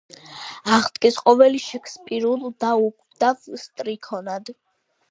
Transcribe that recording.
აღდგეს ყოველი შექსპირულ და უკვდავ სტრიქონად.